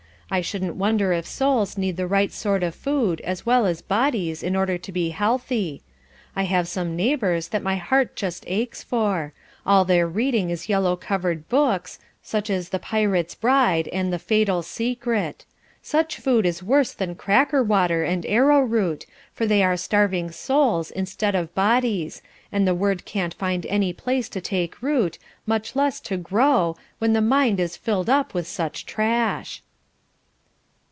I shouldn't wonder if souls need the right sort of food as well as bodies in order to be healthy. I have some neighbours that my heart just aches for; all their reading is yellow covered books, such as 'The Pirate's Bride,' and 'The Fatal Secret.' Such food is worse than cracker water, and arrowroot, for they are starving souls instead of bodies, and the Word can't find any place to take root, much less to grow, when the mind is filled up with such trash."